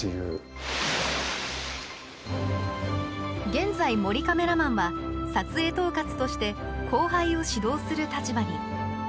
現在、森カメラマンは撮影統括として後輩を指導する立場に。